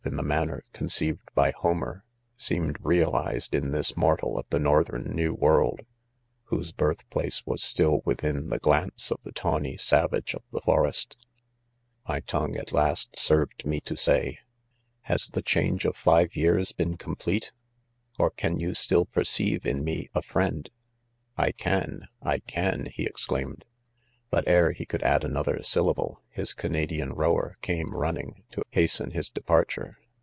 in; the msn^pf^p^^r, ed by Homer, seemed realized i n this jnprtal of the northern .New World ,~ whose . birtj^ #Iace was still .within the.gkiiee of jthe. tawny savage, of the forests 8»2 : IDOMENY c My' ; tohgue, at last, served me to' say:— ' a Has the change of five years been complete 1 oilcan you still perceive "in me a friend T J — "lean, I can I " lie exclaimed $ but ere lie could add another syllable, his : Canadian row er came running, to hasten his departure.